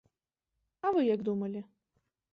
А вы як думалі?